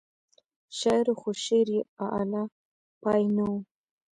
شاعر و خو شعر یې اعلی پای نه و.